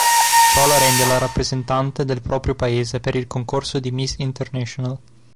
Ciò la rende la rappresentante del proprio paese per il concorso di Miss International.